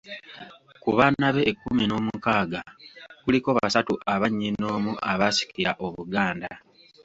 Ku baana be ekkumi n'omukaaga, kuliko basatu abannyinnoomu abaasikira Obuganda.